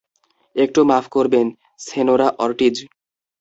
একটু মাফ করবেন, সেনোরা অর্টিজ?